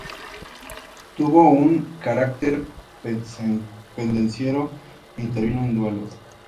Tuvo un carácter pendenciero e intervino en duelos.